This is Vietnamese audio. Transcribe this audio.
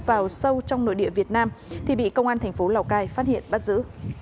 vào sâu trong nội địa việt nam thì bị công an thành phố lào cai phát hiện bắt giữ